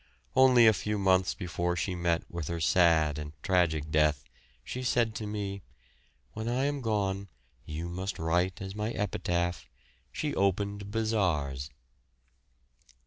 Only a few months before she met with her sad and tragic death she said to me, "When I am gone you must write as my epitaph, 'She opened bazaars.'"